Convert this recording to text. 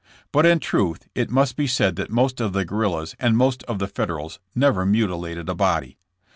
But in truth it must be said that most of the guerrillas and most of the Federals never mutilated a body.